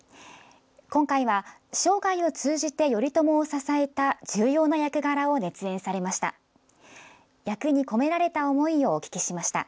今回は生涯を通じて頼朝を支えた重要な役柄を熱演されました。